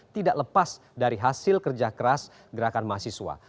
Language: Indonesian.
tidak lepas dari hasil kerja keras gerakan mahasiswa